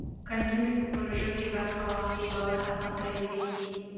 که نجونې په پروژو کې برخه واخلي، باور او همکاري زیاتېږي.